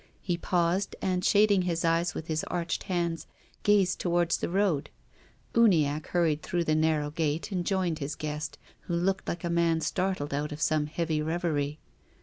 He paused, and shading his eyes with his arched hands, gazed towards the road. Uniacke hurried through the narrow gate and joined his guest, who looked like a man startled out of some heavy reverie.